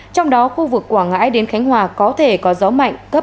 trong đó khu vực quảng ngãi đến khánh hòa có thể có gió mạnh cấp chín cấp một mươi một